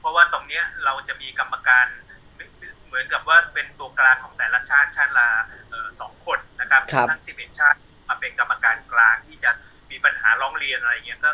เพราะว่าตรงนี้เราจะมีกรรมการเหมือนกับว่าเป็นตัวกลางของแต่ละชาติชาติละ๒คนนะครับทั้ง๑๑ชาติมาเป็นกรรมการกลางที่จะมีปัญหาร้องเรียนอะไรอย่างนี้